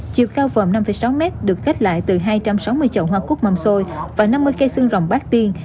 chiều cao vòng năm sáu m được kết lại từ hai trăm sáu mươi chậu hoa cúc mâm xôi và năm mươi cây xương rồng bát tiên